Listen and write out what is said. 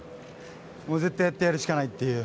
絶対やってやるしかないという。